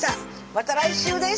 また来週です